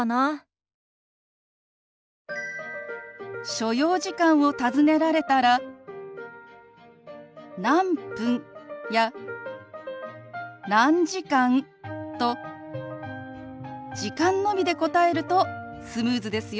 所要時間を尋ねられたら「何分」や「何時間」と時間のみで答えるとスムーズですよ。